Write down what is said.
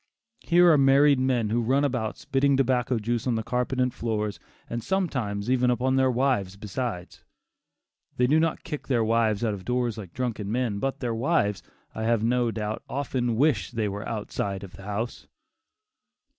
Here are married men who run about spitting tobacco juice on the carpet and floors, and sometimes even upon their wives besides. They do not kick their wives out of doors like drunken men, but their wives, I have no doubt, often wish they were outside of the house.